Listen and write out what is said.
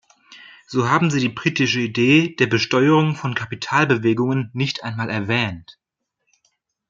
So haben Sie die britische Idee der Besteuerung von Kapitalbewegungen nicht einmal erwähnt.